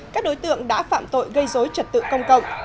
các đối tượng đã phạm tội gây dối trật tự công cộng